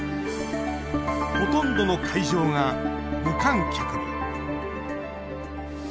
ほとんどの会場が無観客に。